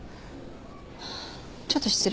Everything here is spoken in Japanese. ちょっと失礼。